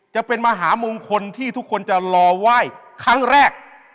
จะเป็นมหามงคลที่ทุกคนจะรอไหว้ครั้งแรก